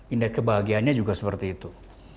indeks kebahagiaannya juga seperti itu